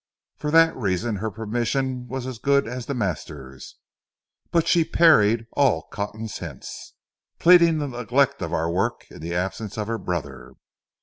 For that reason her permission was as good as the master's; but she parried all Cotton's hints, pleading the neglect of our work in the absence of her brother.